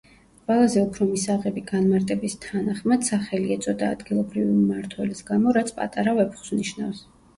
ყველაზე უფრო მისაღები განმარტების თანახმად, სახელი ეწოდა ადგილობრივი მმართველის გამო, რაც „პატარა ვეფხვს“ ნიშნავს.